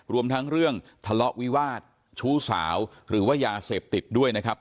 รวมทั้งเรื่องทะเลาะวิวาสชู้สาวหรือว่ายาเสพติดด้วยนะครับ